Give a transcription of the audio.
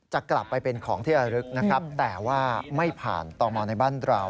จะกลับไปเป็นของที่ระลึกนะครับแต่ว่าไม่ผ่านต่อมอลในบ้านเรา